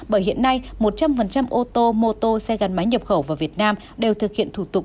bởi hiện nay một trăm linh ô tô mô tô xe gắn máy nhập khẩu vào việt nam đều thực hiện thủ tục